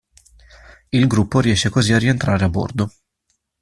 Il gruppo riesce così a rientrare a bordo.